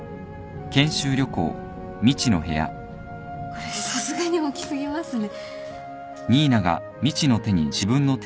これさすがに大きすぎますね。